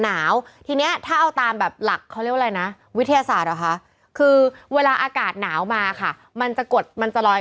นะวิทยาศาสตร์นะคะคือเวลาอากาศหนาวมาค่ะมันจะกดมันจะลอย